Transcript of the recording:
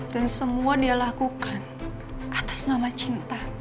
dan semua dia lakukan atas nama cinta